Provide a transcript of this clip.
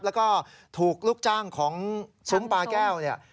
แล้วก็ถูกลูกจ้างของซุ้มปลาแก้วเนี่ย